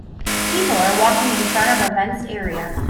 People are walking in front of a fenced area.